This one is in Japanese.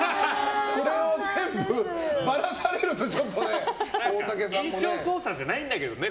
それを全部ばらされると大竹さんもね。印象操作じゃないんだけどね